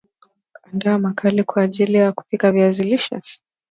Andaa mkaa kwa ajili ya kupika viazi lishe